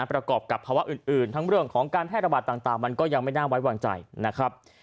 ประกอบกับภาวะอื่นทั้งเรื่องของการแพร่ระบาดต่างมันก็ยังไม่น่าไว้วางใจนะครับ